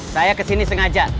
saya kesini sengaja